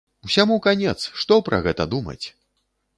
Усяму канец, што пра гэта думаць!